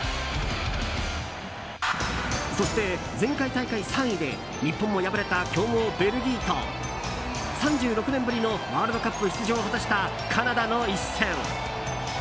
そして前回大会３位で日本も敗れた強豪ベルギーと３６年ぶりのワールドカップ出場を果たしたカナダの一戦。